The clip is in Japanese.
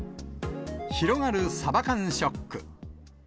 広がるサバ缶ショック。